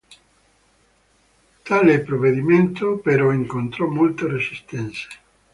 Tale provvedimento, però, incontrò molte resistenze.